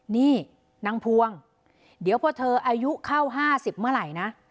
นี่นางพวงเดี๋ยวพอเธออายุเข้า๕๐เมื่อไหร่นะ